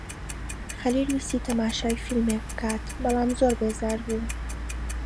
خەلیل ویستی تەماشای فیلمێک بکات بەڵام زۆر بێزار بوو.